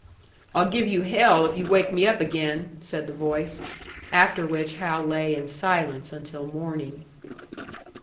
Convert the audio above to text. "I'll give you hell if you wake me up again," said the voice; after which Hal lay in silence until morning.